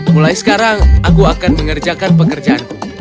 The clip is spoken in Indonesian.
mulai sekarang aku akan mengerjakan pekerjaanku